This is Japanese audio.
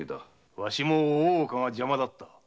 わしも大岡が邪魔だった。